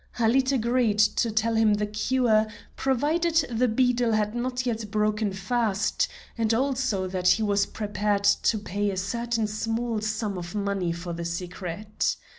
Halid agreed to tell him the cure, provided the beadle had not yet broken fast, and also that he was prepared to pay a certain small sum of money for the secret.